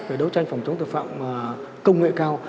về đấu tranh phòng chống tội phạm công nghệ cao